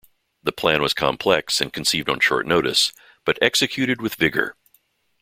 The plan was complex and conceived on short notice but executed with vigor.